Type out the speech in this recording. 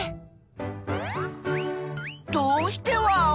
どうしてワオ？